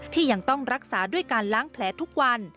ที่ยังต้องรักษาด้วยการล้างแผลทุกวัน